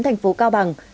thành phố cao bằng